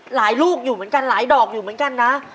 ลูกอยู่เหมือนกันหลายดอกอยู่เหมือนกันนะ